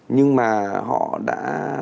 nhưng mà họ đã